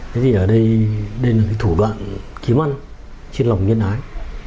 thế thì ở đây đây là cái thủ đoạn kiếm ăn trên lòng nhân ái